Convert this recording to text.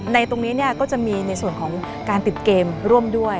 ตรงนี้ก็จะมีในส่วนของการติดเกมร่วมด้วย